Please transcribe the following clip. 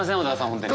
本当に。